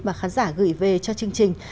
và khán giả gửi về cho chương trình